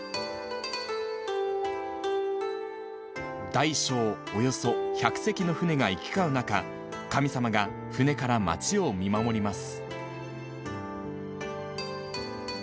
大小およそ１００隻の船が行き交う中、神様が船から街を見守ります。